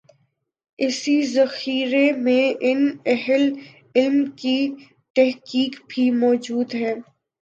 اسی ذخیرے میں ان اہل علم کی تحقیق بھی موجود ہے۔